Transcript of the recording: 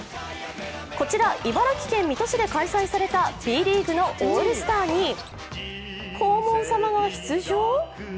こちら茨城県水戸市で開催されたＢリーグのオールスターに黄門様が出場？